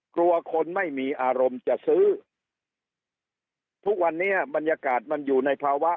กลัวคนไม่มีอารมณ์จะซื้อทุกวันนี้บรรยากาศมันอยู่ในภาวะ